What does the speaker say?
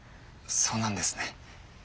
そうなんですね。